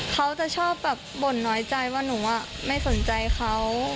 เขาจะชอบแบบบ่นน้อยใจว่าหนูไม่สนใจเขา